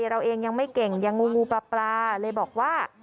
เราเองยังไม่เก่งยังงูปลาเลยบอกว่า